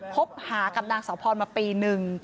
พบหากับนางเสาพรมาปีหนึ่ง